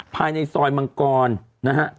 ภายในซอยมังกรนะฮะ